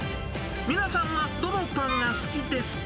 皆さんはどのパンが好きですか？